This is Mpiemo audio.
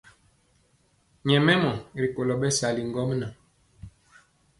Nyɛmemɔ rikolo bɛsali ŋgomnaŋ.